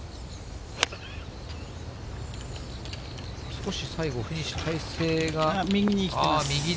少し最後、フィニッシュ、右に来てます。